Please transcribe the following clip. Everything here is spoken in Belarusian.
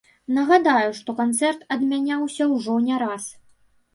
Нагадаю, што канцэрт адмяняўся ўжо не раз.